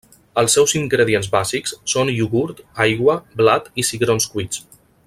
Els seus ingredients bàsics són iogurt, aigua, blat i cigrons cuits.